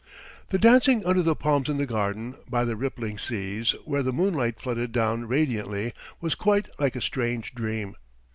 The dancing under the palms in the garden, by the rippling seas, where the moonlight flooded down radiantly, was quite like a strange dream.